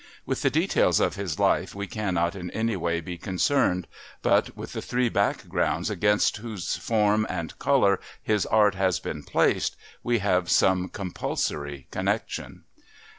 With the details of his life we cannot, in any way, be concerned, but with the three backgrounds against whose form and colour his art has been placed we have some compulsory connection.